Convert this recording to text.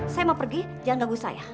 saya mau pergi jangan ganggu saya